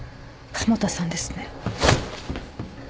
加茂田さんですね。